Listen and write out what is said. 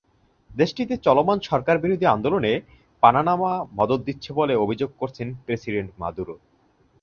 দেশটিতে চলমান সরকারবিরোধী আন্দোলনে পানামা মদদ দিচ্ছে বলে অভিযোগ করেছেন প্রেসিডেন্ট মাদুরো।